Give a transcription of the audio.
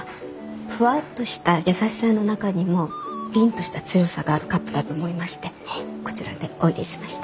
ふわっとした優しさの中にも凜とした強さがあるカップだと思いましてこちらでおいれしました。